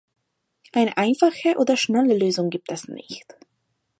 Eine einfache oder schnelle Lösung gibt es nicht.